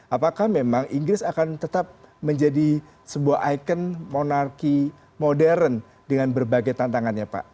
apakah memang inggris akan tetap menjadi sebuah ikon monarki modern dengan berbagai tantangannya pak